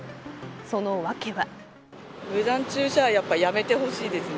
その訳は。